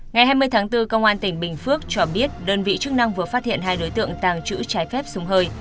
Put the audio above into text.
ngày hai mươi tháng bốn công an tỉnh bình phước cho biết đơn vị chức năng vừa phát hiện hai đối tượng tàng trữ trái phép súng hơi